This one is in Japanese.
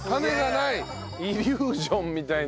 イリュージョンみたいに。